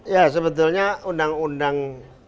ya sebetulnya undang undang